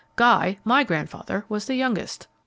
Guy, my grandfather, was the youngest."